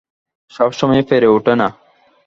সব সময়ে পেরে ওঠে না।